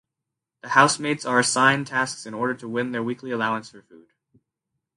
The housemates are assigned tasks in order to win their weekly allowance for food.